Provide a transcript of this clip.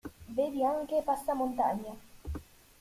Vedi anche Passamontagna.